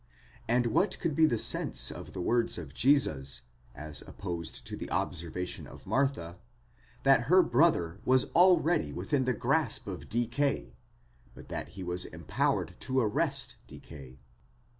and what could be the sense of the words of Jesus, as opposed to the observation of Martha, that her brother was already within the grasp of decay, but that he was empowered to arrest decay?